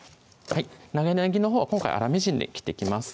長ねぎのほうは今回粗みじんで切っていきます